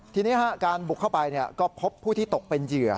ทีนี้การบุกเข้าไปก็พบผู้ที่ตกเป็นเหยื่อ